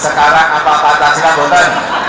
sekarang apa pantah silap bontani